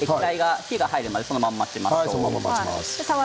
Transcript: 火が入るまで、そのまま。